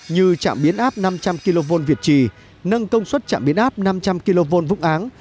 như trạm biến áp năm trăm linh kv việt trì nâng công suất trạm biến áp năm trăm linh kv vũng áng